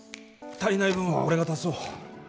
足りない分は俺が足そう。